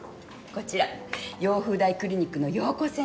こちら陽風台クリニックの陽子先生。